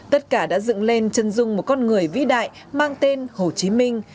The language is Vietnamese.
tất cả đã dựng lên chân dung một con người vĩ đại mang tên hồ chí minh